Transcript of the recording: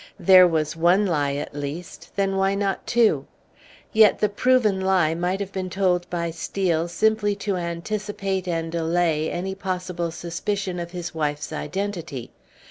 There was one lie at least, then why not two? Yet, the proven lie might have been told by Steel simply to anticipate and allay any possible suspicion of his wife's identity.